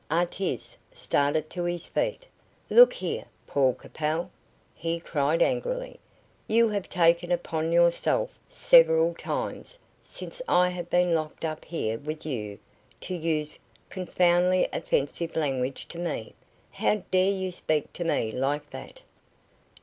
Artis started to his feet. "Look here, Paul Capel," he cried angrily; "you have taken upon yourself several times since I have been locked up here with you to use confoundedly offensive language to me. How dare you speak to me like that?"